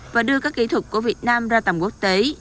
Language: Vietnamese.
và đưa các kỹ thuật của việt nam ra tầm quốc tế